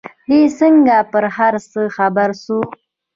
دى څنگه پر هر څه خبر سوى و.